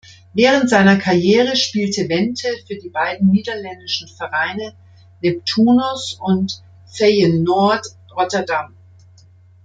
Während seiner Karriere spielte Vente für die beiden niederländischen Vereine "Neptunus" und Feyenoord Rotterdam.